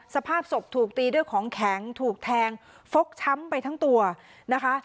สภาพศพถูกตีด้วยของแข็งถูกแทงฟกช้ำไปทั้งตัวนะคะ